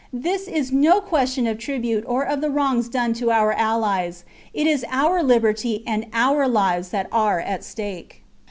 This is no question of tribute or of the wrongs done to our allies ; it is our liberty and our lives that are at stake.